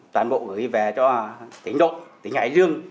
toàn bộ gửi về cho tỉnh đội tỉnh hải dương